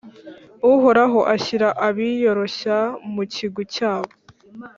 Uhoraho ashyira abiyoroshya mu kigwi cyabo